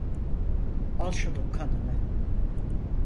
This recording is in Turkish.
Al şunun kanını!